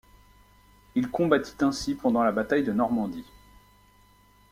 Il combattit ainsi pendant la bataille de Normandie.